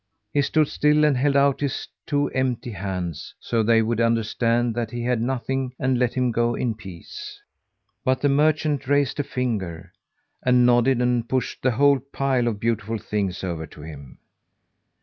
He stood still and held out his two empty hands, so they would understand that he had nothing and let him go in peace. But the merchant raised a finger and nodded and pushed the whole pile of beautiful things over to him.